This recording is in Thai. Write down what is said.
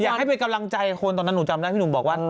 อยากให้เป็นกำลังใจคนตอนนั้นหนูจำได้พี่หนุ่มบอกว่า